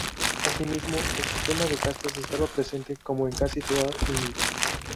Así mismo, el sistema de castas estaba presente, como en casi toda India.